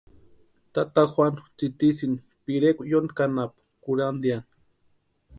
Tata Juanu tsitisïnti pirekwa yóntki anapu kurhantiani.